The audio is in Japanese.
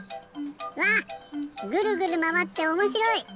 うわっぐるぐるまわっておもしろい！